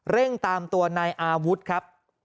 เร่งตามตัวนายอาวุธครับ